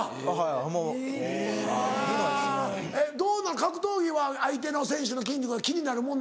格闘技は相手の選手の筋肉が気になるもんなの？